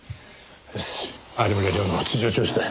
よし有村亮の事情聴取だ。